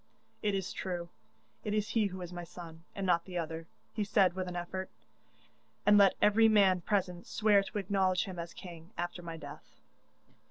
'It is true; it is he who is my son, and not the other,' he said with an effort, 'and let every man present swear to acknowledge him as king, after my death.